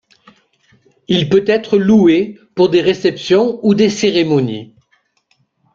Il peut être loué pour des réceptions ou des cérémonies.